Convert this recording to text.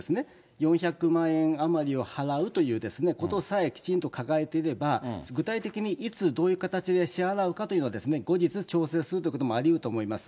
４００万円余りを払うということさえきちんと書かれていれば、具体的にいつ、どういう形で支払うかというのは、後日調整するということもありうると思います。